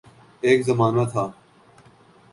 ایک زمانہ تھا